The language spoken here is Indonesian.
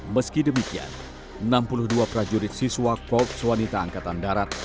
meski demikian enam puluh dua prajurit siswa korps wanita angkatan darat